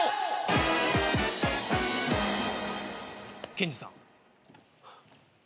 ケンジさん。